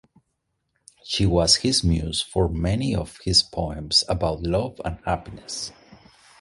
She was his muse for many of his poems about love and happiness.